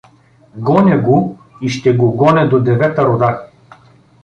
— Гоня го и ще го гоня до девета рода!